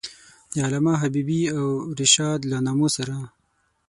د علامه حبیبي او رشاد له نامو سره.